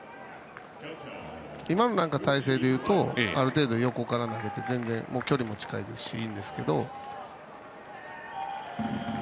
今の体勢で言うとある程度、横から投げても全然、距離も近いですしいいんですけど。